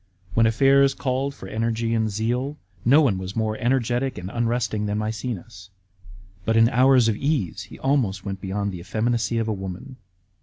When affairs called for energy and zeal, no one was more energetic and unresting than Maecenas ; but hi hours of ease he almost went beyond the effeminacy of a woman.